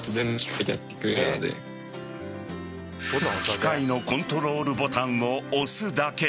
機械のコントロールボタンを押すだけ。